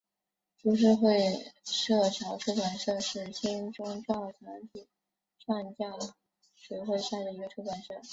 株式会社潮出版社是新宗教团体创价学会下的一个出版社。